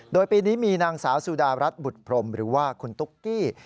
โดยปีนี้มีนางสาวสุดารัฐบุตรพรมหรือว่าคุณตุ๊กกี้